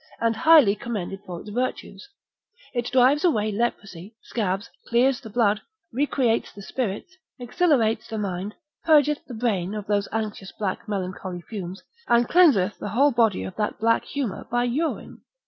and highly commended for its virtues: it drives away leprosy, scabs, clears the blood, recreates the spirits, exhilarates the mind, purgeth the brain of those anxious black melancholy fumes, and cleanseth the whole body of that black humour by urine.